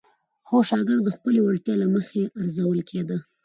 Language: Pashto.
هر شاګرد د خپلې وړتیا له مخې ارزول کېده.